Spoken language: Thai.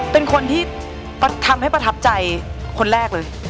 เป็นคนที่ทำให้ประทับใจคนแรกเลย